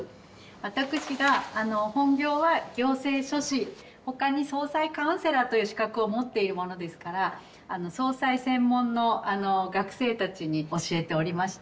私が本業は行政書士他に葬祭カウンセラーという資格を持っているものですからあの葬祭専門の学生たちに教えておりまして。